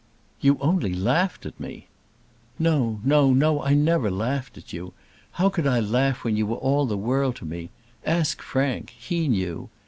"You only laughed at me." "No; no; no; I never laughed at you. How could I laugh when you were all the world to me? Ask Frank; he knew.